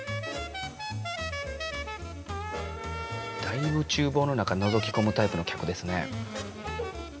だいぶちゅうぼうの中のぞきこむタイプの客ですね。